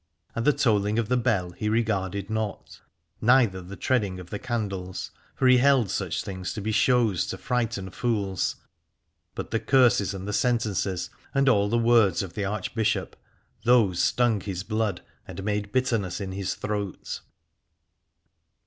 And the tolling of the bell he regarded not, neither the treading of the candles, for he held such things to be shows to frighten fools : but the curses and the sentences, and all the words of the Archbishop, those stung his blood and made bitterness in his throat.